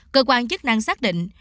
cơ quan chức năng xác định